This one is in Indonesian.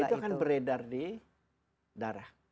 itu akan beredar di darah